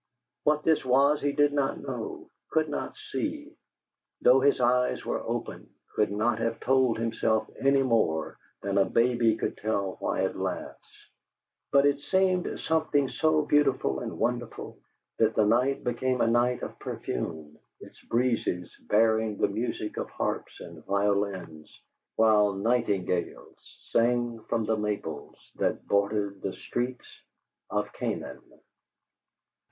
What this was he did not know, could not see, though his eyes were open, could not have told himself any more than a baby could tell why it laughs, but it seemed something so beautiful and wonderful that the night became a night of perfume, its breezes bearing the music of harps and violins, while nightingales sang from the maples that bordered the streets of Canaan.